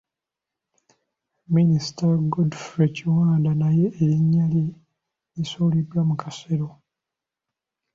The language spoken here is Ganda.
Minisita Godfrey Kiwanda naye erinnya lye lisuuliddwa mu kasero.